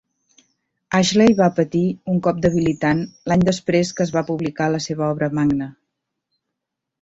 Ashley va patir un cop debilitant l'any després que es va publicar la seva obra magna.